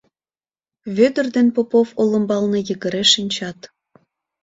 Вӧдыр ден Попов олымбалне йыгыре шинчат.